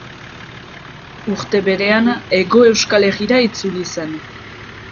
Urte berean Hego Euskal Herrira itzuli zen.